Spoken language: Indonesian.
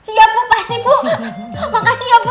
iya bu pasti bu makasih ya bu